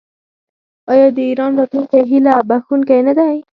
آیا د ایران راتلونکی هیله بښونکی نه دی؟